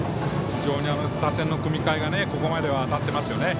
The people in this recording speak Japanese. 非常に打順の組み替えがここまでは当たっていますよね。